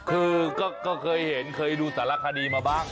คือก็เคยเห็นเคยดูสารคดีมาบ้าง